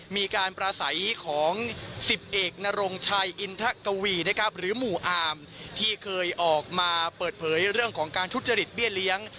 มีการประสัยของ๑๐เอกนรงชัยอินทะกวีนะครับหรือหมู่อามที่เคยออกมาเปิดเผยเรื่องของการทุจริตเบี้ยเลี้ยง